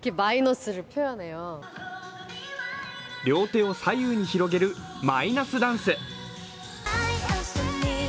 両手を左右に広げるマイナスダンス。